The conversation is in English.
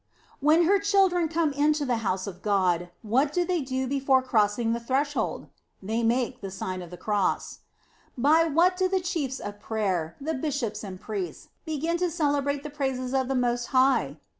5 5O The Sign of the Cross children come into the house of God, what do they do before crossing the threshold? They make the Sign of the Cross. By what do the chiefs of prayer, the bish ops and priests, begin to celebrate the praises of the Most High?